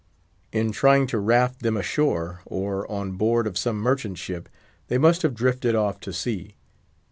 In trying to raft them ashore, or on board of some merchant ship, they must have drifted off to sea.